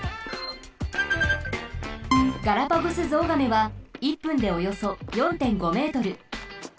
ガラパゴスゾウガメは１分でおよそ４．５ｍ。